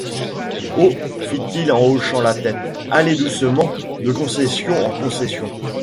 Oh! fit-il en hochant la tête, allez doucement, de concessions en concessions.